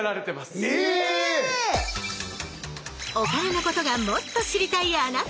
お金のことがもっと知りたいあなた！